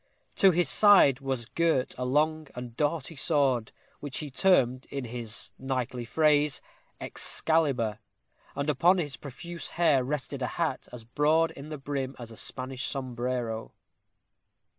To his side was girt a long and doughty sword, which he termed, in his knightly phrase, Excalibur; and upon his profuse hair rested a hat as broad in the brim as a Spanish sombrero.